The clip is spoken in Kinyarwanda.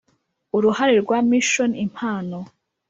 Uruhare rwa mission impano